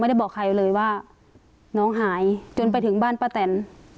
ได้บอกใครเลยว่าน้องหายจนไปถึงบ้านป้าแตน